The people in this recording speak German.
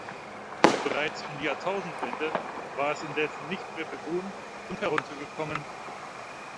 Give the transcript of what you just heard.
Bereits um die Jahrtausendwende war es indessen nicht mehr bewohnt und heruntergekommen.